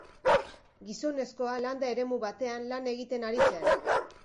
Gizonezkoa landa eremu batean lan egiten ari zen.